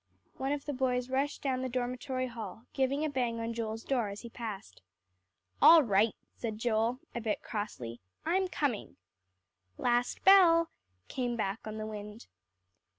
One of the boys rushed down the dormitory hall, giving a bang on Joel's door as he passed. "All right," said Joel a bit crossly, "I'm coming." "Last bell," came back on the wind.